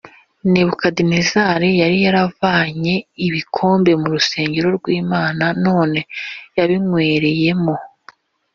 nebukadinezari yari yaravanye ibikombe mu rusengero rw’imana none yabinywereyemo!